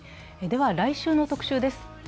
では、来週の特集です。